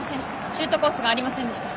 シュートコースがありませんでした。